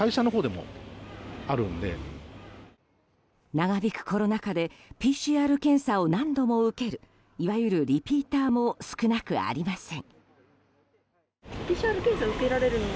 長引くコロナ禍でＰＣＲ検査を何度も受けるいわゆるリピーターも少なくありません。